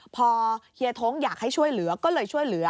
พอเฮียท้งอยากให้ช่วยเหลือก็เลยช่วยเหลือ